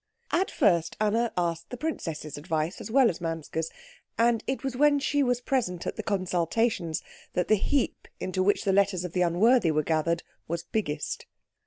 At first Anna asked the princess's advice as well as Manske's, and it was when she was present at the consultations that the heap into which the letters of the unworthy were gathered was biggest.